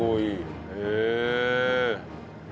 へえ！